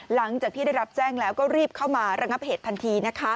หลังจากที่ได้รับแจ้งแล้วก็รีบเข้ามาระงับเหตุทันที